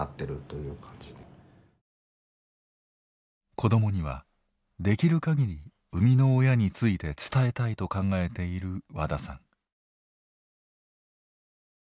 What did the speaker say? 子どもにはできるかぎり生みの親について伝えたいと考えている和田さん。